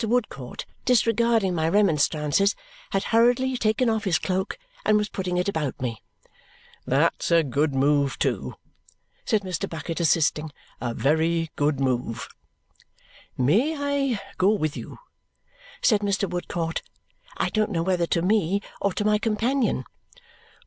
Woodcourt, disregarding my remonstrances, had hurriedly taken off his cloak and was putting it about me. "That's a good move, too," said Mr. Bucket, assisting, "a very good move." "May I go with you?" said Mr. Woodcourt. I don't know whether to me or to my companion.